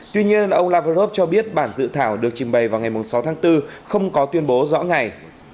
tuy nhiên ông lavrov cho biết bản dự thảo được trình bày vào ngày sáu tháng bốn không có tuyên bố rõ ngày